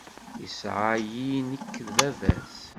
Isɛa-yi nekk d bab-as.